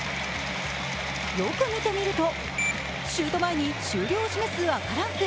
よく見てみるとシュート前に終了を示す赤ランプ。